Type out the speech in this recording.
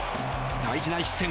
大事な一戦。